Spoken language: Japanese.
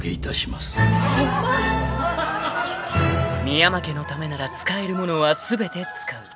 ［深山家のためなら使えるものは全て使う］